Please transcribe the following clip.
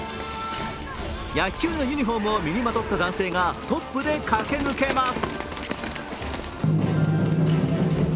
野球のユニフォームを身にまとった男性がトップで駆け抜けます。